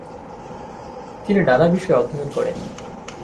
তিনি নানা বিষয় অধ্যয়ন করেন।